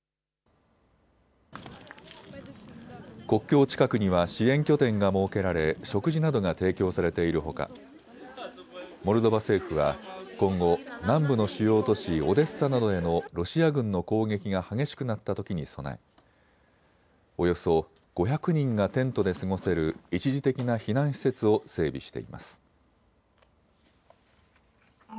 国境近くには支援拠点が設けられ食事などが提供されているほかモルドバ政府は今後、南部の主要都市オデッサなどへのロシア軍の攻撃が激しくなったときに備えおよそ５００人がテントで過ごせる一時的な避難施設を整備しています。